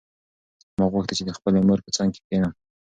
ما غوښتل چې د خپلې مور په څنګ کې کښېنم.